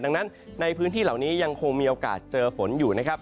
ดังนั้นในพื้นที่เหล่านี้ยังคงมีโอกาสเจอฝนอยู่นะครับ